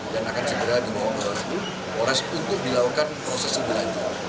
dan akan segera dibawa ke polres untuk dilakukan prosesi berlanjut